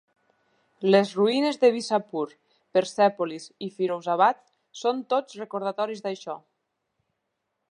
Les ruïnes de Bishapur, Persèpolis i Firouzabad són tots recordatoris d'això.